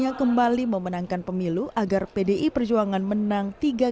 namun kali ini perjuangan itu akan menjadi satu perjuangan yang lebih berat